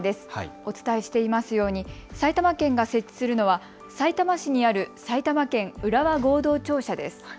お伝えしていますように埼玉県が設置するのは、さいたま市にある埼玉県浦和合同庁舎です。